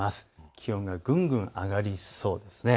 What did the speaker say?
気温がぐんぐん上がりそうです。